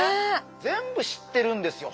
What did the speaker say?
全部知ってるんですよ